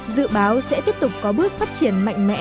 dự báo sẽ tiếp tục có bước phát triển mạnh mẽ